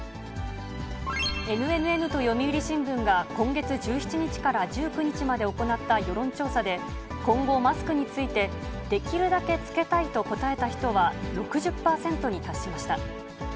ＮＮＮと読売新聞が今月１７日から１９日まで行った世論調査で、今後、マスクについて、できるだけ着けたいと答えた人は、６０％に達しました。